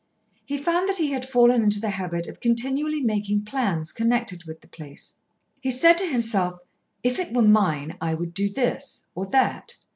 He found that he had fallen into the habit of continually making plans connected with the place. He said to himself, "If it were mine I would do this, or that.